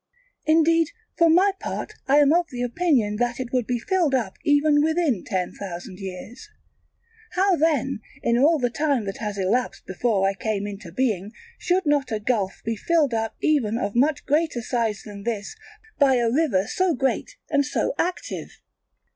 indeed for my part I am of the opinion that it would be filled up even within ten thousand years. How, then, in all the time that has elapsed before I came into being should not a gulf be filled up even of much greater size than this by a river so great and so active?